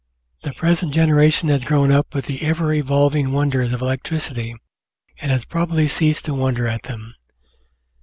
The present generation has grown up with the ever evolving wonders of electricity and has probably ceased to wonder at them.